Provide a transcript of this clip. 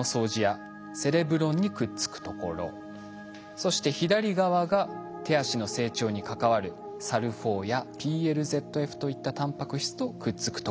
そして左側が手足の成長に関わるＳＡＬＬ４やＰＬＺＦといったタンパク質とくっつくところ。